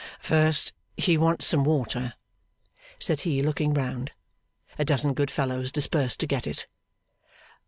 'First, he wants some water,' said he, looking round. (A dozen good fellows dispersed to get it.)